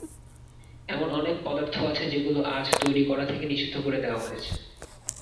এমন অনেক পদার্থ আছে যেগুলো আজ তৈরি করা থেকে নিষিদ্ধ করে দেওয়া হয়েছে।